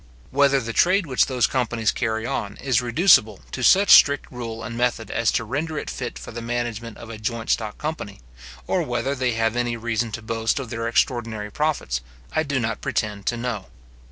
Whether the trade which those companies carry on, is reducible to such strict rule and method as to render it fit for the management of a joint stock company, or whether they have any reason to boast of their extraordinary profits, I do not pretend to know.